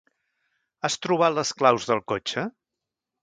Has trobat les claus del cotxe?